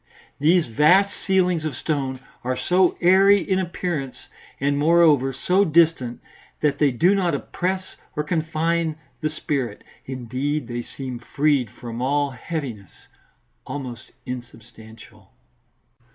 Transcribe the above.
These vast ceilings of stone are so airy in appearance, and moreover so distant, that they do not oppress or confine the spirit. Indeed they seem freed from all heaviness, almost insubstantial.